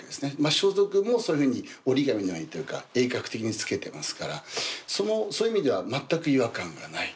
装束もそういうふうに折り紙のようにというか鋭角的につけてますからそういう意味では全く違和感がない。